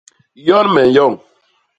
Yon me nyoñ.